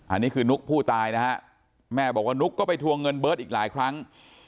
อันนี้คือนุ๊กผู้ตายนะฮะแม่บอกว่านุ๊กก็ไปทวงเงินเบิร์ตอีกหลายครั้ง